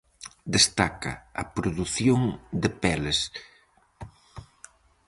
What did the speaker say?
Destaca a produción de peles.